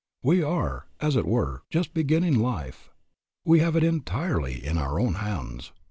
We are, as it were, just beginning life. We have it entirely in our own hands.